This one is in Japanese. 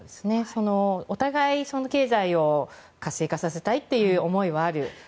お互い、経済を活性化させたい思いはある。